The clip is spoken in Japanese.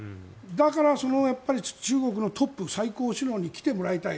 だから、中国のトップ最高指導者に来てもらいたい。